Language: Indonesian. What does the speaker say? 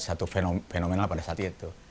satu fenomena pada saat itu